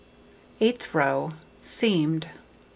Eighth row: Seamed.